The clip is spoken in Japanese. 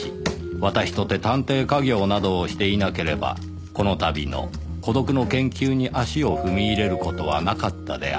私とて探偵稼業などをしていなければこのたびの孤独の研究に足を踏み入れる事はなかったであろう